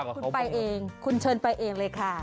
คุณไปเองคุณเชิญไปเองเลยค่ะ